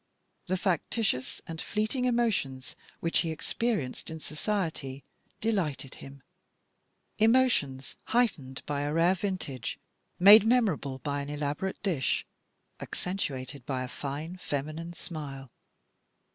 The factitious and fleeting emotions which he experienced in society delighted him — emotions heightened by a rare vintage, made memorable by an elaborate dish, accentuated by a fine feminine smile.